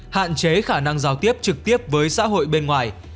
hạn chế khả năng giao tiếp trực tiếp với xã hội bên ngoài